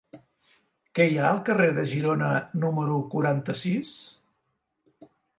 Què hi ha al carrer de Girona número quaranta-sis?